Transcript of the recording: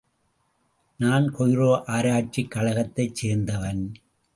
நான் கெய்ரோ ஆராய்ச்சிக் கழகத்தைச் சேர்ந்தவன்.